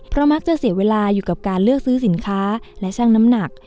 เพราะมักจะเสียเวลาอยู่กับการเลือกซื้อสินค้าและช่างน้ำหนัก